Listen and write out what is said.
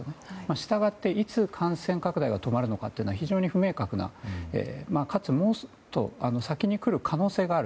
したがって、いつ感染拡大が止まるのかというのは非常に不明確なかつもうちょっと先に来る可能性がある。